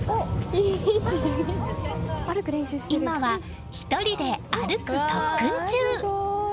今は１人で歩く特訓中。